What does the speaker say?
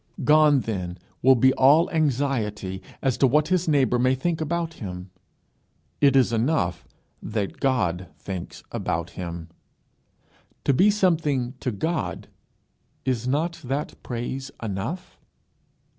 Gone then will be all anxiety as to what his neighbour may think about him. It is enough that God thinks about him. To be something to God is not that praise enough?